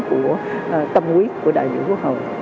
của tâm quyết của đại biểu quốc hội